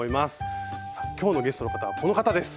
さあ今日のゲストの方はこの方です。